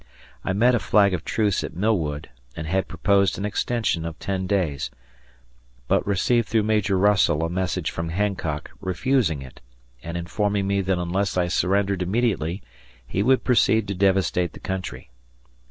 I met a flag of truce at Millwood, and had proposed an extension of ten days, but received through Major Russell a message from Hancock refusing it and informing me that unless I surrendered immediately he would proceed to devastate the country.